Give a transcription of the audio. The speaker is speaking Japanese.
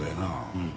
うん。